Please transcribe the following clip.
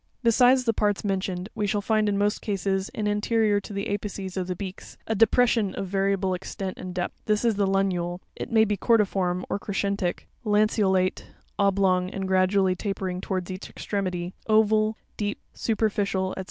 Besides the parts mentioned, we shall find in most cases, an terior to the apices of the beaks, a depression of variable extent and depth. This is the lunule (fig. 118, 1): it may be cerdi form, or crescentic, lanceolate (oblong, and gradually tapering towards each extremity), oval, deep, superficial, &c.